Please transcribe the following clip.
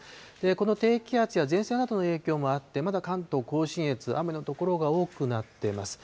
この低気圧や前線などの影響もあって、まだ関東甲信越、雨の所が多くなっています。